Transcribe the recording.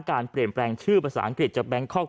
การเปลี่ยนแปลงชื่อภาษาอังกฤษจากแบงคอก